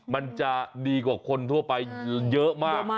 มันจะดีกว่าคนทั่วไปเยอะมาก